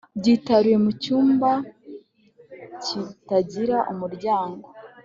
byitaruye mucyumba kitagira umuryango